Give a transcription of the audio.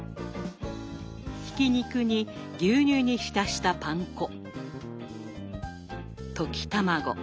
ひき肉に牛乳に浸したパン粉。